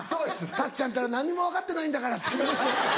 「タッちゃんったら何にも分かってないんだから」。